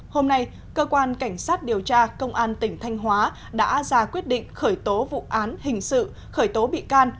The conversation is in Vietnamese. hôm nay cơ quan cảnh sát điều tra công an tỉnh thanh hóa đã ra quyết định khởi tố vụ án hình sự khởi tố bị can